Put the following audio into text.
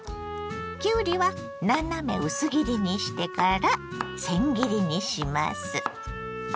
きゅうりは斜め薄切りにしてからせん切りにします。